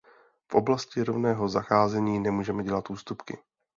V oblasti rovného zacházení nemůžeme dělat ústupky.